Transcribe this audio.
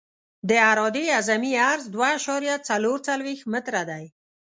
د عرادې اعظمي عرض دوه اعشاریه څلور څلویښت متره دی